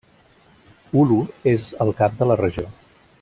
Oulu és el cap de la regió.